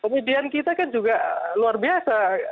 komedian kita kan juga luar biasa